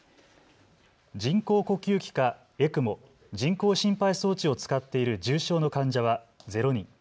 人工呼吸器かＥＣＭＯ・人工心肺装置を使っている重症の患者は０人。